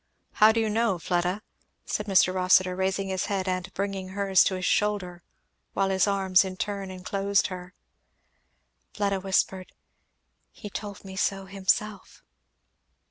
"How do you know, Fleda?" said Mr. Rossitur raising his head and bringing hers to his shoulder, while his arms in turn enclosed her. Fleda whispered, "He told me so himself."